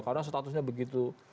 karena statusnya begitu